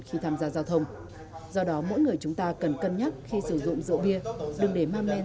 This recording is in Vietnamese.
khi tham gia giao thông do đó mỗi người chúng ta cần cân nhắc khi sử dụng rượu bia đừng để mang lên